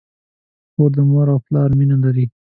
کور د مور او پلار مینه لري.